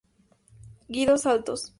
Guido Saltos.